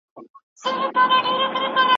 هغوی په خپلو پلانونو کي بريالي سول.